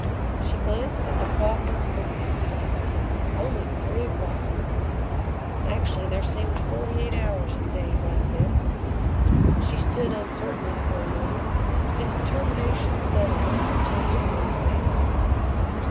She glanced at the clock on the bookcase only three o'clock! Actually there seemed forty eight hours in days like this. She stood uncertainly for a moment, then determination settled on her tense worried face.